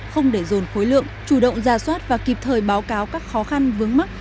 không để dồn khối lượng chủ động ra soát và kịp thời báo cáo các khó khăn vướng mắt